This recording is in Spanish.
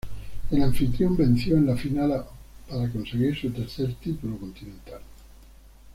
El anfitrión venció en la final a para conseguir su tercer título continental.